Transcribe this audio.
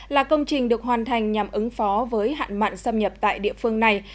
là công trình được hoàn thành nhằm ứng phó với hạn mặn xâm nhập tại địa phương này